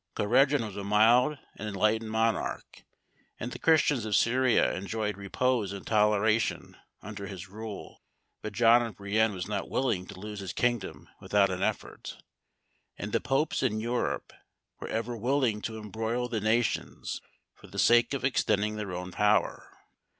Cohreddin was a mild and enlightened monarch, and the Christians of Syria enjoyed repose and toleration under his rule: but John of Brienne was not willing to lose his kingdom without an effort; and the popes in Europe were ever willing to embroil the nations for the sake of extending their own power.